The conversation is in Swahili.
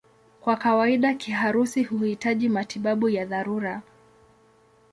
Kwa kawaida kiharusi huhitaji matibabu ya dharura.